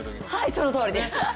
そのとおりです。